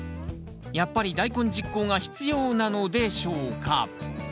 やっぱり大根十耕が必要なのでしょうか？